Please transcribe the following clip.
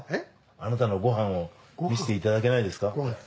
あなたのご飯を見せていただけないですか？